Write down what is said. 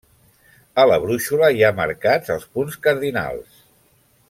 A la brúixola hi ha marcats els punts cardinals: